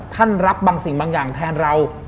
รับบางสิ่งบางอย่างแทนเรา